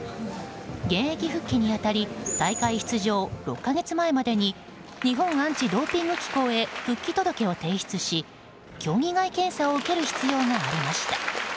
現役復帰に当たり大会出場６か月前までに日本アンチ・ドーピング機構へ復帰届を提出し競技外検査を受ける必要がありました。